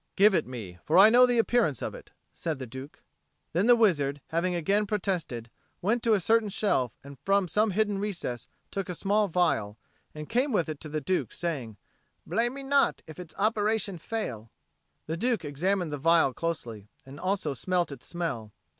"Give it me; for I know the appearance of it," said the Duke. Then the wizard, having again protested, went to a certain shelf and from some hidden recess took a small phial, and came with it to the Duke, saying, "Blame me not, if its operation fail." The Duke examined the phial closely, and also smelt its smell.